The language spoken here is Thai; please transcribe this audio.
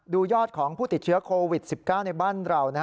ยอดของผู้ติดเชื้อโควิด๑๙ในบ้านเรา